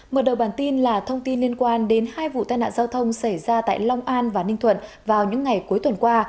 mở đầu bản tin là thông tin liên quan đến hai vụ tai nạn giao thông xảy ra tại long an và ninh thuận vào những ngày cuối tuần qua